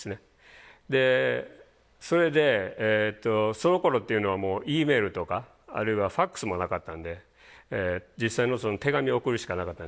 でそれでそのころっていうのはもうＥメールとかあるいはファックスもなかったんで実際の手紙を送るしかなかったんですけど。